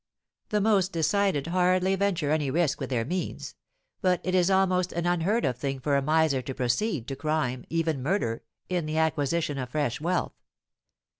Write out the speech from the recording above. the most decided hardly venture any risk with their means; but it is almost an unheard of thing for a miser to proceed to crime, even murder, in the acquisition of fresh wealth.